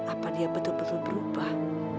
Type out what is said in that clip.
apa dia betul betul berubah